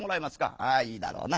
「ああいいだろうな。